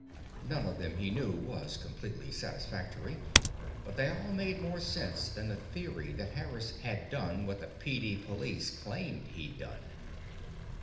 None of them, he knew, was completely satisfactory, but they all made more sense that the theory that Harris had done what the PD Police claimed he'd done.